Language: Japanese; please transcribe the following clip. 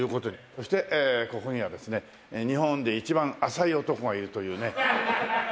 そしてここにはですね日本で一番浅い男がいるというね。